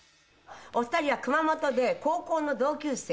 お二人は熊本で高校の同級生。